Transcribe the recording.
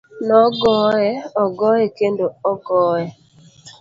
Nogoye, ogoye kendo ogoye.